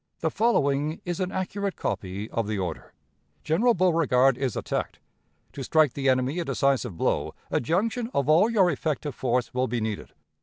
The following is an accurate copy of the order: "'General Beauregard is attacked. To strike the enemy a decisive blow, a junction of all your effective force will be needed.